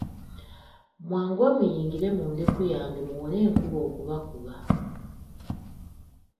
Mwanguwe muyingire mu ndeku yange muwone enkuba okubakuba.